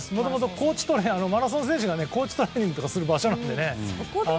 マラソン選手が高地トレーニングとかする場所なのでね。